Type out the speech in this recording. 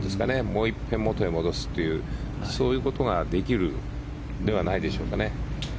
もういっぺん、元へ戻すというそういうことができるのではないでしょうかね。